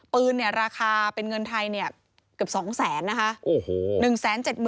ปืนราคาเป็นเงินไทยเกือบ๒๐๐๐๐๐บาทโอ้โห